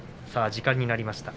時間になりました。